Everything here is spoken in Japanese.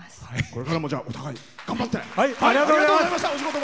これからもお互い頑張って！